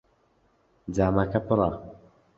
جامەکە پڕە.